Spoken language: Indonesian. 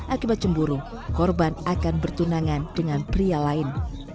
akibat cemburu korban akan bertunangan dengan pria lain